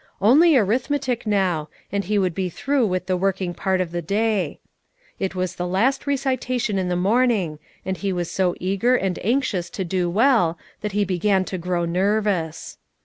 Only arithmetic now, and he would be through with the working part of the day. It was the last recitation in the morning, and he was so eager and anxious to do well, that he began to grow nervous.